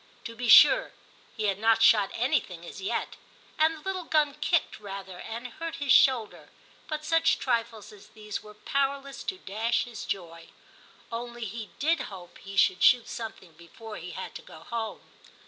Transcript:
To be sure, he had not shot anything as yet, and the little gun kicked rather and hurt his shoulder, but such trifles as these were power less to dash his joy ; only he did hope he should shoot something before he had to go home.